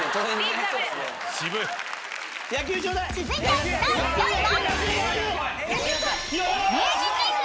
［続いて第４位は］